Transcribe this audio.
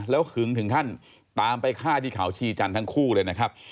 แล้วหึงถึงขั้นตามไปฆ่าที่เขาชีจันทร์ทั้งคู่เลยนะครับ